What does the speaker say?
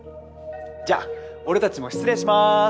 じゃ俺たちも失礼します。